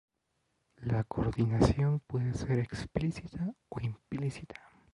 La coordinación puede ser explícita o implícita.